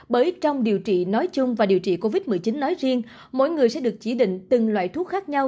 bởi trong điều trị nói chung và điều trị covid một mươi chín nói riêng mỗi người sẽ được chỉ định từng loại thuốc khác nhau